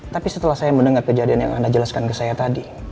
tapi setelah saya mendengar kejadian yang anda jelaskan ke saya tadi